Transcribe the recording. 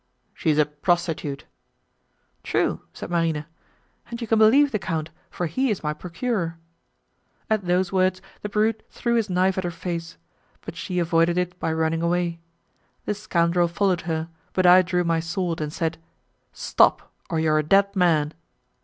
"She is a prostitute." "True," said Marina, "and you can believe the count, for he is my procurer." At those words, the brute threw his knife at her face, but she avoided it by running away. The scoundrel followed her, but I drew my sword, and said, "Stop, or you are a dead man."